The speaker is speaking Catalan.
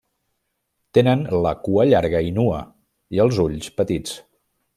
Tenen la cua llarga i nua i els ulls petits.